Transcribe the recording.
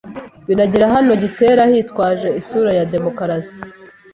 Binagera n’aho gitera hitwajwe isura ya demokarasi